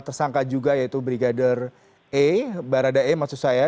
tersangka juga yaitu brigadir e barada e maksud saya